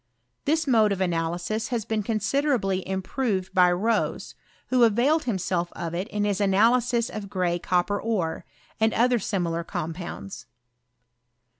This mode of analysis has been considerably improved by Rose, ■who availed himself of it in his analysis of gray cop per ore, and other similar compounds.